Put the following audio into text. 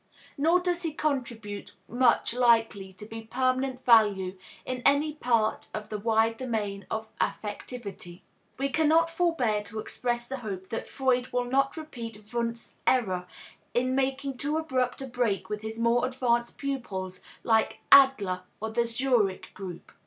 Nor does he contribute much likely to be of permanent value in any part of the wide domain of affectivity. We cannot forbear to express the hope that Freud will not repeat Wundt's error in making too abrupt a break with his more advanced pupils like Adler or the Zurich group.